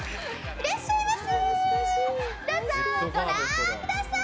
いらっしゃいませ！